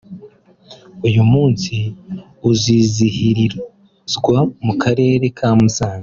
uyu munsi uzizihirizwa mu Karere ka Musanze